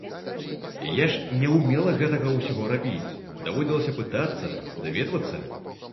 Я ж не ўмела гэтага ўсяго рабіць, даводзілася пытацца, даведвацца.